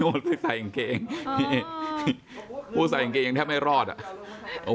เป็นค่ะปุ๊ดเพื่อใส่อังเกงฮู้ใส่อย่างแทบไม่รอดอ่ะ